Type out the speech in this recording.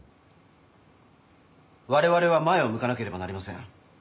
われわれは前を向かなければなりません。